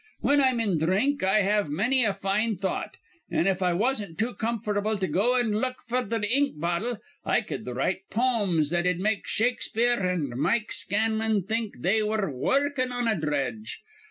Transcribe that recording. Whin I'm in dhrink, I have manny a fine thought; an', if I wasn't too comfortable to go an' look f'r th' ink bottle, I cud write pomes that'd make Shakespeare an' Mike Scanlan think they were wurrkin' on a dredge.